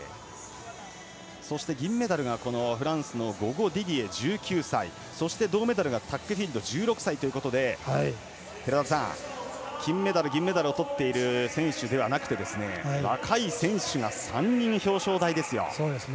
そして銀メダルがフランスのユゴ・ディディエ、１６歳そして銅メダルがタックフィールド１６歳ということで金メダル、銀メダルをとっている選手ではなくて、若い選手が３人表彰台ですよ。